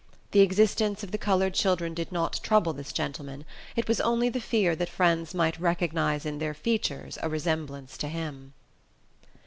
The existence of the colored children did not trouble this gentleman, it was only the fear that friends might recognize in their features a resemblance to him.